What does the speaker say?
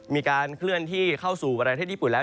มีการเคลื่อนที่เข้าสู่ประเทศญี่ปุ่นแล้ว